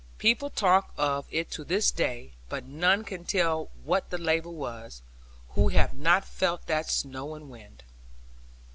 People talk of it to this day; but none can tell what the labour was, who have not felt that snow and wind.